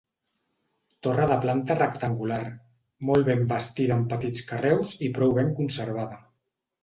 Torre de planta rectangular, molt ben bastida amb petits carreus i prou ben conservada.